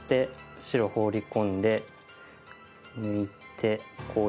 白ホウリ込んで抜いてこうやって。